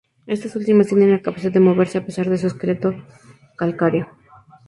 Estas últimas tienen la capacidad de moverse, a pesar de su esqueleto calcáreo.